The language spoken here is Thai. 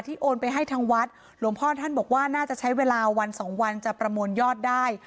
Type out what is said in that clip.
โอนไปให้ทางวัดหลวงพ่อท่านบอกว่าน่าจะใช้เวลาวันสองวันจะประมวลยอดได้